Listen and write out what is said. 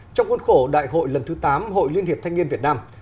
trong khuôn khổ đại hội lần thứ tám hội liên hiệp thanh niên việt nam